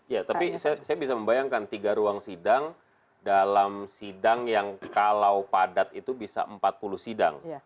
ya tapi saya bisa membayangkan tiga ruang sidang dalam sidang yang kalau padat itu bisa empat puluh sidang